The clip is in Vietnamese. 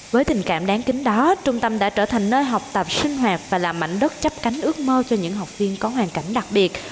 với tình cảm đáng kính đó trung tâm đã trở thành nơi học tập sinh hoạt và là mảnh đất chấp cánh ước mơ cho những học viên có hoàn cảnh đặc biệt